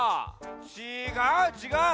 ちがうちがう。